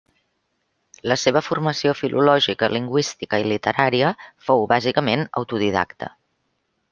La seva formació filològica, lingüística i literària fou bàsicament autodidacta.